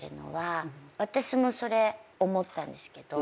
私もそれ思ったんですけど